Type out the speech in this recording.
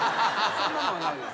そんなのはないです。